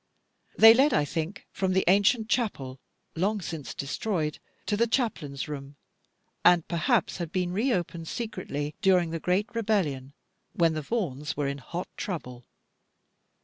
They led, I think, from the ancient chapel, long since destroyed, to the chaplain's room, and perhaps had been reopened secretly during the great rebellion, when the Vaughans were in hot trouble.